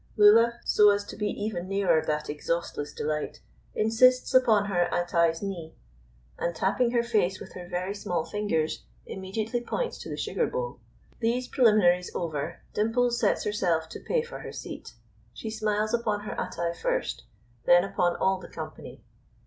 Lulla, so as to be even nearer that exhaustless delight, insists upon her Attai's knee; and tapping her face with her very small fingers, immediately points to the sugar bowl. These preliminaries over, Dimples sets herself to pay for her seat. She smiles upon her Attai first, then upon all the company.